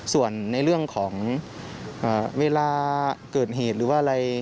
ส่วนในเรื่องของเวลาเกิดเหตุหรือว่าอะไร